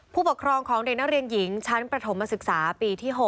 ผู้ปกครองของเด็กนักเรียนหญิงชั้นประถมศึกษาปีที่๖